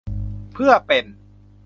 เพื่อเป็น